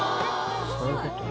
そういうことか。